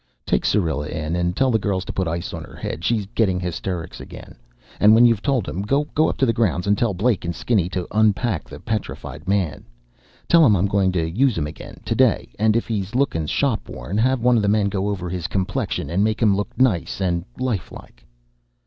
"Take Syrilla in and tell the girls to put ice on her head. She's gettin' hysterics again. And when you've told 'em, you go up to the grounds and tell Blake and Skinny to unpack the Petrified Man. Tell 'em I'm goin' to use him again to day, and if he's lookin' shop worn, have one of the men go over his complexion and make him look nice and lifelike."